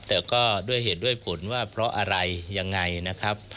แต่ก็ด้วยเหตุด้วยผลว่าเพราะอะไรยังไงนะครับ